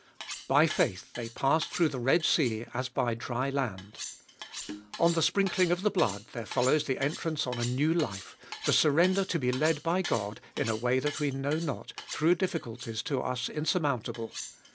By faith they passed through the Red Sea as by dry land. On the sprinkling of the blood there follows the entrance on a new life, the surrender to be led by God in a way that we know not, through difficulties to us insurmountable.